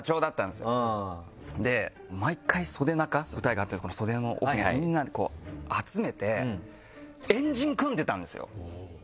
毎回袖中舞台があって袖の奥にみんなを集めて円陣組んでたんですよ。